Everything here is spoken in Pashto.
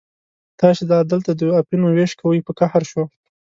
تاسې لا دلته د اپینو وېش کوئ، په قهر شو.